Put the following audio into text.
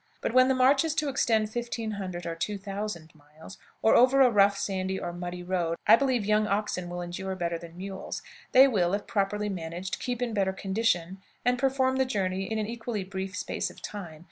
But when the march is to extend 1500 or 2000 miles, or over a rough sandy or muddy road, I believe young oxen will endure better than mules; they will, if properly managed, keep in better condition, and perform the journey in an equally brief space of time.